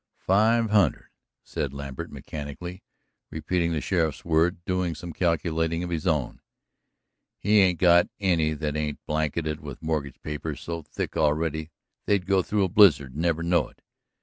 "Five hundred," said Lambert, mechanically repeating the sheriff's words, doing some calculating of his own. "He ain't got any that ain't blanketed with mortgage paper so thick already they'd go through a blizzard and never know it.